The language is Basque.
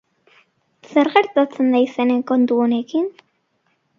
Zer gertatzen da izenen kontu honekin?